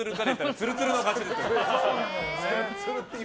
ツルツルの勝ちでした。